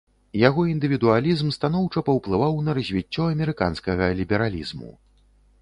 Яго індывідуалізм станоўча паўплываў на развіццё амерыканскага лібералізму.